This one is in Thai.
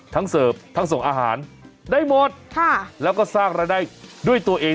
เสิร์ฟทั้งส่งอาหารได้หมดแล้วก็สร้างรายได้ด้วยตัวเอง